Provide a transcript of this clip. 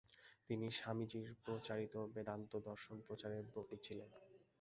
তিনি স্বামীজীর প্রচারিত বেদান্ত দর্শন প্রচারে ব্রতী ছিলেন।